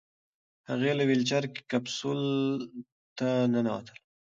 هغې له ویلچیر کپسول ته ننوتله.